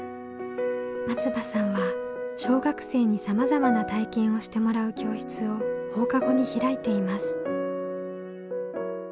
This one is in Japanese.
松場さんは小学生にさまざまな体験をしてもらう教室を放課後に開いています。